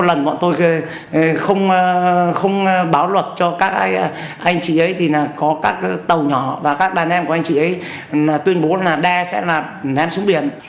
anh chị ấy thì có các tàu nhỏ và các đàn em của anh chị ấy tuyên bố là đe sẽ là ném xuống biển